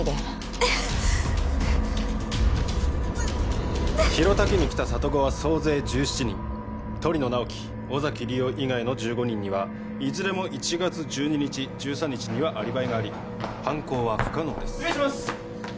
う広田家に来た里子は総勢１７人鳥野直木尾崎莉桜以外の１５人にはいずれも１月１２日１３日にはアリバイがあり犯行は不可能です失礼します！